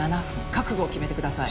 覚悟を決めてください。